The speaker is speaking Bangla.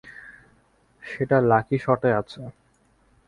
সেটা লাকি শটে আছে।